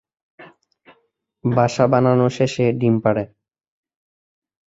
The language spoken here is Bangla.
বাসা বানানো শেষে ডিম পাড়ে।